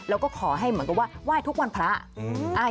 แล้วก็ขอให้เหมือนกับว่าไหว้ทุกวันพระ